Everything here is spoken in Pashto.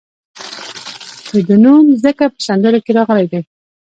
د ده نوم ځکه په سندرو کې راغلی دی.